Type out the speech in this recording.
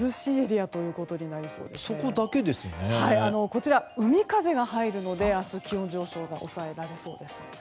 こちら、海風が入るので明日、気温上昇が抑えられそうです。